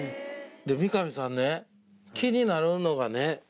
で三上さんね気になるのがね